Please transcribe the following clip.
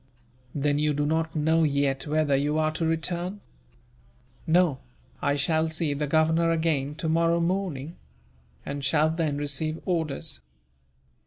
"Then you do not know yet whether you are to return?" "No; I shall see the Governor again, tomorrow morning; and shall then receive orders."